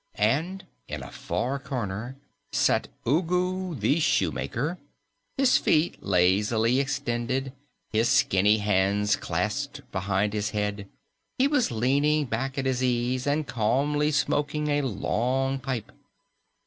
And in a far corner sat Ugu the Shoemaker, his feet lazily extended, his skinny hands clasped behind his head. He was leaning back at his ease and calmly smoking a long pipe.